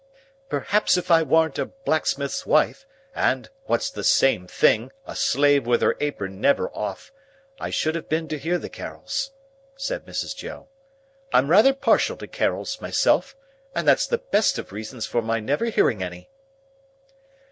"Perhaps if I warn't a blacksmith's wife, and (what's the same thing) a slave with her apron never off, I should have been to hear the Carols," said Mrs. Joe. "I'm rather partial to Carols, myself, and that's the best of reasons for my never hearing any."